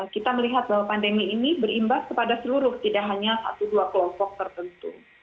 kita melihat bahwa pandemi ini berimbas kepada seluruh tidak hanya satu dua kelompok tertentu